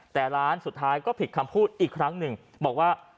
แต่ร้านสุดท้ายก็ผิดคำพูดอีกครั้งหนึ่งบอกว่า